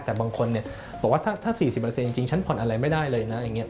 แต่บางคนบอกว่าถ้า๔๐จริงฉันผ่อนอะไรไม่ได้เลยนะอย่างนี้